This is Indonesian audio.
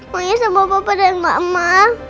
mau nyisir bapak dan mama